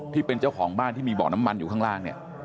ที่เป็นเจ้าของบ้านที่มีเบาะน้ำมันอยู่ข้างล่างเนี่ย